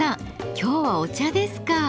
今日はお茶ですか。